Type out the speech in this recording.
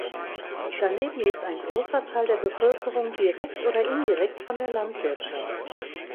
Daneben lebt ein großer Teil der Bevölkerung direkt oder indirekt von der Landwirtschaft.